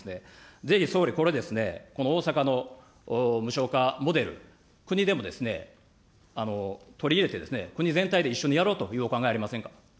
ぜひ、総理、これですね、この大阪の無償化モデル、国でも取り入れて、国全体で一緒にやろうというお考えありませんか。